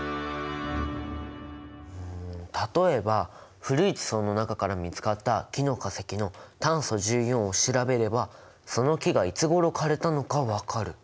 例えば古い地層の中から見つかった木の化石の炭素１４を調べればその木がいつごろ枯れたのか分かる。